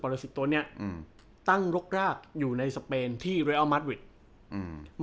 ละสิทธิตัวเนี้ยอืมตั้งรกรากอยู่ในสเปนที่เรอัลมาร์ทวิดอืม